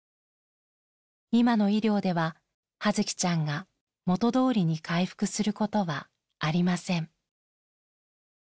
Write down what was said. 今の医療では葉月ちゃんが元どおりに回復することはありません。